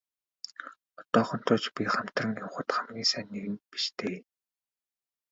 Одоохондоо ч би хамтран явахад хамгийн сайн нэгэн биш дээ.